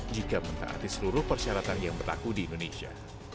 jika mentaati seluruh persyaratan yang berlaku di indonesia